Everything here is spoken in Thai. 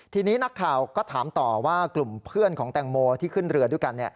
ทีนี้นักข่าวก็ถามต่อว่ากลุ่มเพื่อนของแตงโมที่ขึ้นเรือด้วยกัน